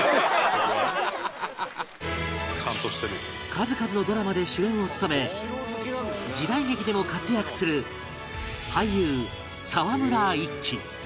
数々のドラマで主演を務め時代劇でも活躍する俳優沢村一樹